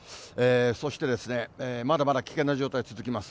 そしてですね、まだまだ危険な状態続きます。